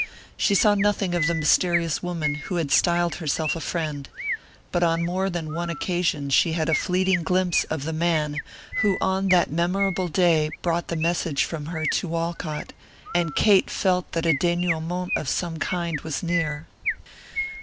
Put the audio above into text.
She saw nothing of the mysterious woman who had styled herself a friend, but on more than one occasion she had a fleeting glimpse of the man who on that memorable day brought the message from her to Walcott, and Kate felt that a dénouement of some kind was near.